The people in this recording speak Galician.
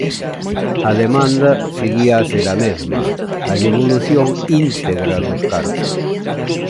A demanda seguía a ser a mesma: a devolución íntegra dos cartos.